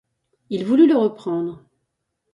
Il voulut le reprendre.